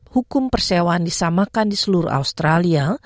hukum persewaan disamakan di seluruh australia